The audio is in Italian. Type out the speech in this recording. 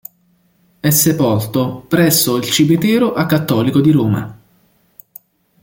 È sepolto presso il Cimitero acattolico di Roma.